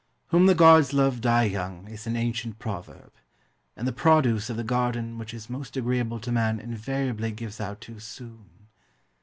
"Whom the gods love die young," is an ancient proverb; and the produce of the garden which is most agreeable to man invariably gives out too soon.